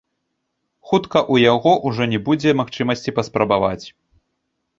Хутка ў яго ўжо не будзе магчымасці паспрабаваць.